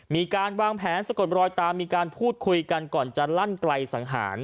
มีการวางแผนสะกดรอยตามมีการพูดคุยกันก่อนจะลั่นไกลสังหาร